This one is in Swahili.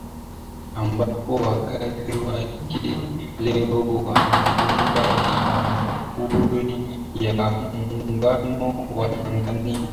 ambapo wakazi wake leo wanaunda Jamhuri ya Muungano wa Tanzania